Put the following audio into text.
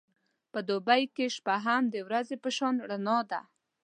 په دوبی کې شپه هم د ورځې په شان رڼا ده.